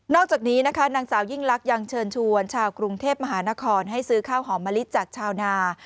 จากนี้นะคะนางสาวยิ่งลักษณ์ยังเชิญชวนชาวกรุงเทพมหานครให้ซื้อข้าวหอมมะลิจากชาวนา